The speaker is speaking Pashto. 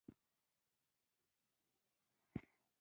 زړه د رازونو کور دی.